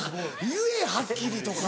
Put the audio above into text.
「言えはっきり」とか。